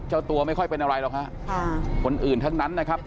เจ้าตัวไม่ค่อยเป็นอะไรหรอกฮะค่ะคนอื่นทั้งนั้นนะครับ